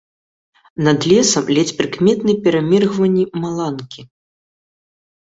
Над лесам ледзь прыкметны пераміргванні маланкі.